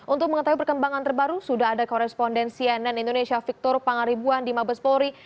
untuk mengetahui perkembangan terbaru sudah ada koresponden cnn indonesia victor pangaribuan di mabes polri